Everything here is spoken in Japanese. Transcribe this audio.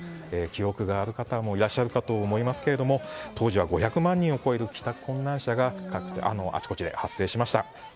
記憶がある方もいらっしゃるかと思いますが当時は５００万人を超える帰宅困難者があちこちで発生しました。